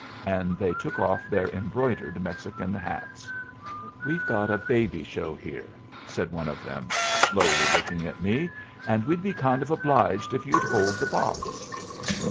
and they took off their embroidered Mexican hats. "We've got a baby show here," said one of them, slowly, looking at me, "and we'd be kind of obliged if you'd hold the box."